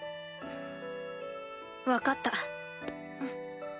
わかった。